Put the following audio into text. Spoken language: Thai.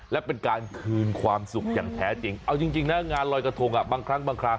และเป็นการคืนความสุขอย่างแท้จริงเอาจริงนะงานลอยกระทงบางครั้งบางคราว